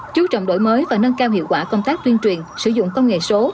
chú trọng đổi mới và nâng cao hiệu quả công tác tuyên truyền sử dụng công nghệ số